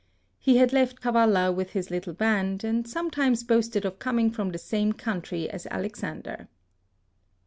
He had left Kavalla with his little band, and sometimes boasted of coming from the same country as Alexan der.